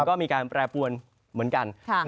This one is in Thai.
แล้วก็มีการแปรปวนเหมือนกัน